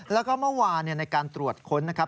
แล้วก็เมื่อวานในการตรวจค้นนะครับ